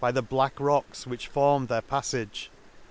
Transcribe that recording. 173 the black rocks which formed their pa£ fage.